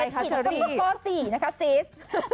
ข้อ๔นะคะซีส